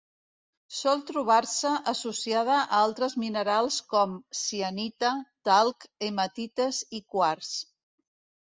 Sol trobar-se associada a altres minerals com: cianita, talc, hematites i quars.